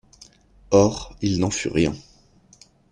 Or il n'en fut rien.